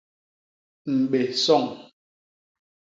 Mbé soñ.